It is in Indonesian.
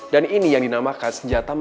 dan ini yang dinamakan lo yang jahat sama lo